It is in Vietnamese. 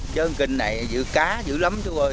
trên kênh này giữ cá dữ lắm chú ơi